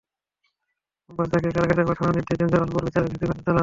গতকাল সোমবার তাঁকে কারাগারে পাঠানোর নির্দেশ দেন জামালপুর বিচারিক হাকিমের আদালত।